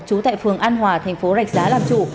trú tại phường an hòa thành phố rạch giá làm chủ